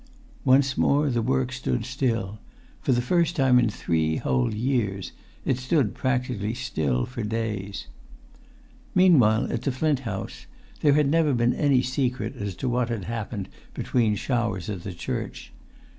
[Pg 276]Once more the work stood still; for the first time in three whole years, it stood practically still for days. Meanwhile, at the Flint House, there had never been any secret as to what had happened between showers at the church.